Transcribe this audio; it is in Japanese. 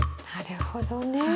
なるほどね。